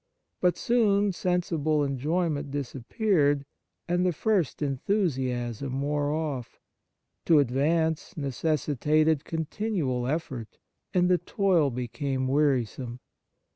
But soon sensible enjoyment disappeared, and the first enthusiasm wore off; to 32 The Nature of Piety advance necessitated continual effort, and the toil became wearisome.